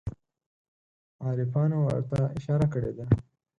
عارفانو ورته اشاره کړې ده.